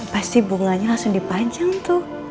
pasti bunganya langsung dipanjang tuh